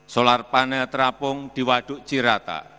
solar panel terapung di waduk cirata